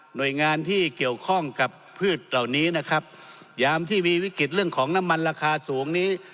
โดยงานที่เกี่ยวข้องกับพืชเหล่านี้นะครับยามที่มีวิกฤตเรื่องของน้ำมันราคาสูงนี้